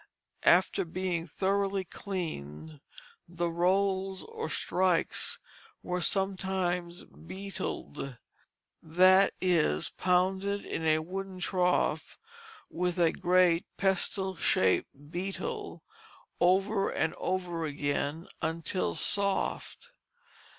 After being thoroughly cleaned the rolls or strikes were sometimes beetled, that is, pounded in a wooden trough with a great pestle shaped beetle over and over again until soft.